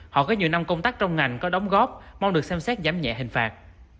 họ có nhiều năm công tác trong ngành có đóng góp mong được xem xét giám nhạy hình phạt